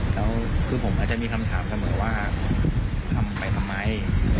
แล้วคือผมอาจจะมีคำถามเสมอว่าทำไปทำไม